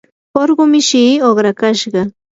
urqu mishii uqrakashqa.